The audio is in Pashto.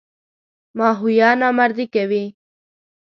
ماهویه نامردي کوي.